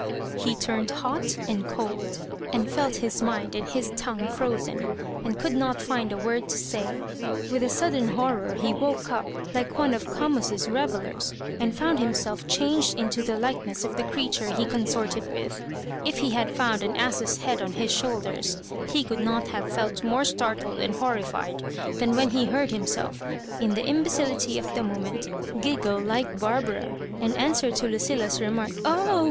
He turned hot and cold, and felt his mind and his tongue frozen, and could not find a word to say. 'With a sudden horror he woke up, like one of Oomus's revellers, and found himself changed into the likeness of the creature he consorted withi If be had found an ass*s head on his shoulders, he could not have felt more startled and horri fied than when he heard himself, in the imbeci lity of the moment, giggle like Barbara, and an swer to Lucilla's remark, Oh